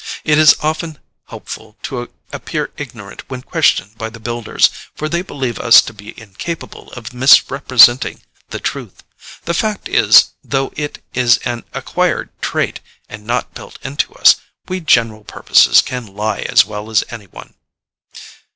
It is often helpful to appear ignorant when questioned by the Builders, for they believe us to be incapable of misrepresenting the truth. The fact is, though it is an acquired trait, and not built into us, we General Purposes can lie as well as anyone.